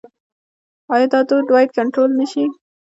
آیا دا دود باید کنټرول نشي؟